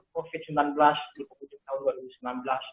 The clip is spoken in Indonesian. covid sembilan belas dua puluh tujuh tahun dua ribu sembilan belas